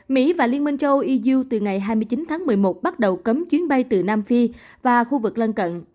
mỹ và liên minh châu âu eu từ ngày hai mươi chín tháng một mươi một bắt đầu cấm chuyến bay từ nam phi và khu vực lân cận